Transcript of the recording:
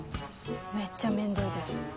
めっちゃめんどいです。